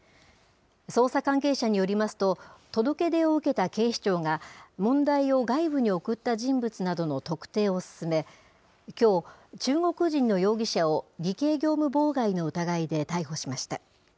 捜査関係者によりますと、届け出を受けた警視庁が、問題を外部に送った人物などの特定を進め、きょう、中国人の容疑者を偽計業務妨害の疑いで逮捕しました。